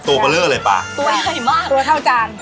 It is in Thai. ตัวก็เลือกเลยป่าตัวให้มากตัวเท่าจาน